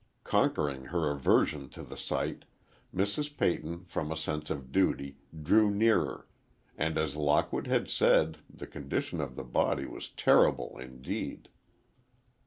Conquering her aversion to the sight, Mrs. Peyton, from a sense of duty, drew nearer, and as Lockwood had said, the condition of the body was terrible indeed.